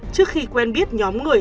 trước khi quen biết nhóm người